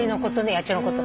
野鳥のこと。